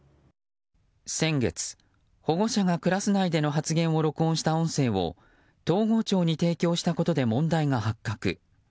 先月、保護者がクラス内での発言を録音した音声を東郷町に提供したことで問題が発覚。